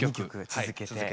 続けて。